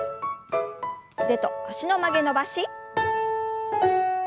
腕と脚の曲げ伸ばし。